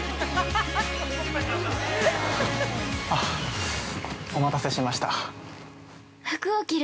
あっ、お待たせしました。